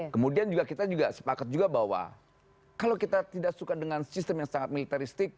kemudian kita juga sepakat juga bahwa kalau kita tidak suka dengan sistem yang sangat militaristik